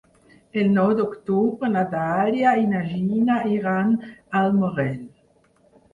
El nou d'octubre na Dàlia i na Gina iran al Morell.